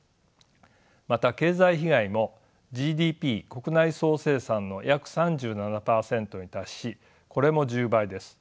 また経済被害もＧＤＰ国内総生産の約３７％に達しこれも１０倍です。